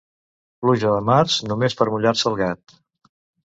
Pluja de març, només per mullar-se el gat.